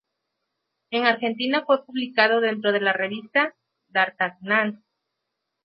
En Argentina fue publicado dentro de la revista "D'artagnan".